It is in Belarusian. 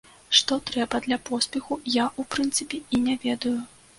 Што трэба для поспеху, я, у прынцыпе, і не ведаю.